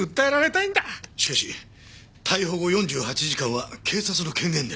しかし逮捕後４８時間は警察の権限で。